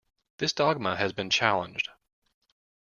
This dogma has been challenged.